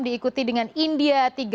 diikuti dengan indonesia